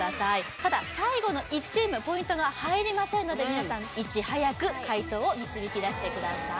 ただ最後の１チームポイントが入りませんので皆さんいち早く解答を導き出してください